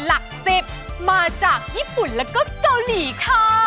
หลัก๑๐มาจากญี่ปุ่นแล้วก็เกาหลีค่ะ